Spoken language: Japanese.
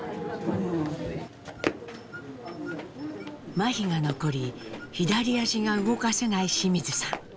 まひが残り左足が動かせない清水さん。